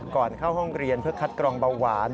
ก่อนเข้าห้องเรียนเพื่อคัดกรองเบาหวาน